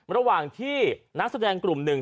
ระหว่างที่นักแสดงกลุ่มหนึ่ง